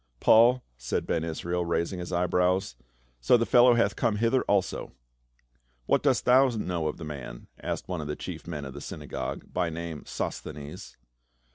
"Paul?" said Ben Israel, raising his eyebrows. "So the fellow hath come hither also." "What dost thou know of the man?" asked one of the chief men of the synagogue, by name Sosthcnes.